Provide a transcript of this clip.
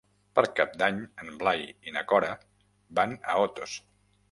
Per Cap d'Any en Blai i na Cora van a Otos.